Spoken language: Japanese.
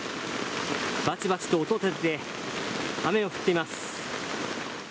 ばちばちと音を立てて、雨が降っています。